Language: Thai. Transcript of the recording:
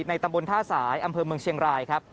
ตำบลท่าสายอำเภอเมืองเชียงรายครับ